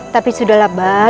tapi sudah lah bah